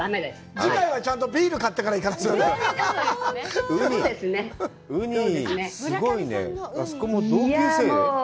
次回は、ちゃんとビールを買ってから行かないと。